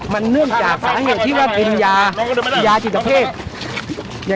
มันนึกจากสาเหตุที่เค้าเก็บอย่างนั้นหรือเปล่า